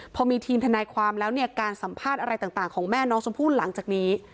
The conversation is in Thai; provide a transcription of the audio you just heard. พอมีทีมทนายความแล้วเนี่ยการสัมภาษณ์อะไรต่างของแม่น้องชมพู่หลังจากนี้